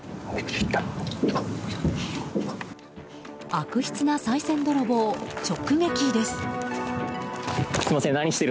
悪質な、さい銭泥棒直撃です！